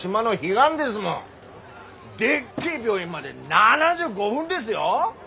でっけえ病院まで７５分ですよ？